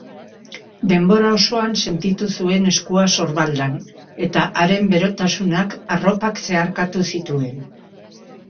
Denbora osoan sentitu zuen eskua sorbaldan, eta haren berotasunak arropak zeharkatu zituen.